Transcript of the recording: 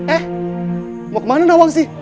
eh mau kemana dawang sih